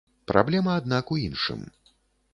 Праблема, аднак, у іншым.